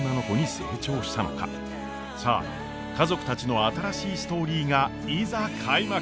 さあ家族たちの新しいストーリーがいざ開幕！